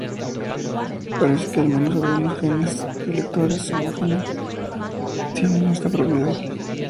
Parece que al menos algunos genes selectores homeóticos tienen esta propiedad.